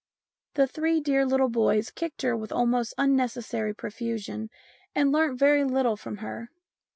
The three dear little boys kicked her with almost unnecessary profusion and learnt very little from her.